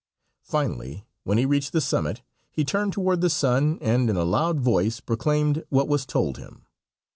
Finally, when he reached the summit, he turned toward the sun and in a loud voice proclaimed what was told him.